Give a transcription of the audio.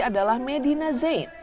adalah medina zaid